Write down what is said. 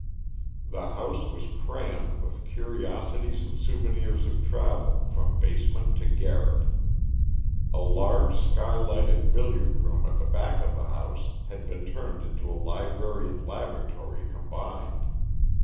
The house was crammed with curiosities and souvenirs of travel from basement to garret. A large sky lighted billiard room at the back of the house had been turned into a library and laboratory combined.